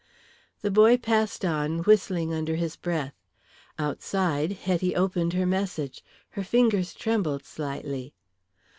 The boy passed on whistling under his breath. Outside Hetty opened her message. Her fingers trembled slightly.